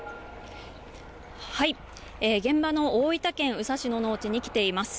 現場の大分県宇佐市の農地に来ています。